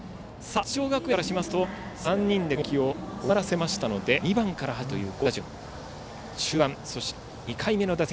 松商学園からしますと３人で攻撃を終わらせましたので２番から始まるという好打順。